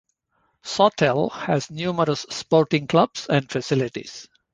Sawtell has numerous sporting clubs and facilities.